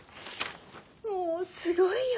もうすごいよ。